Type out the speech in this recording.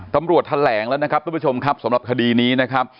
ตำรวจแถลงแล้วนะครับทุกผู้ชมครับสำหรับคดีนี้นะครับ